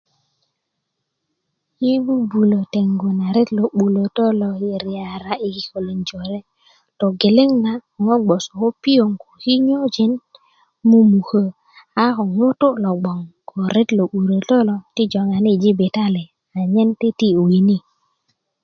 yé 'bu'bulä tengú na ret ló 'bulätä ló i riyará i kikolin jore togeleŋ na ŋo gboso ko piyon ko kiyojin mumukä a ko ŋutú lo gboŋ ko ret lo 'bulätä ló ti joŋani i jibitali a nyen titi winii